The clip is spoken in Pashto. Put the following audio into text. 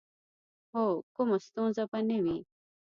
هو، کومه ستونزه به نه وي.